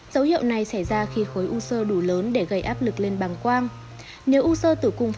dấu hiệu này xảy ra khi khối u sơ đủ lớn để gây áp lực lên bằng quang